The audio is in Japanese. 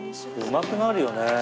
うまくなるよね。